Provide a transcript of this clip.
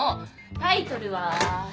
タイトルは。